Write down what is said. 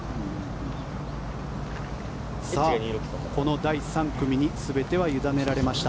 この第３組に全ては委ねられました。